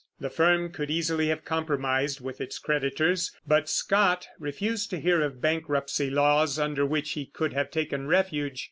The firm could easily have compromised with its creditors; but Scott refused to hear of bankruptcy laws under which he could have taken refuge.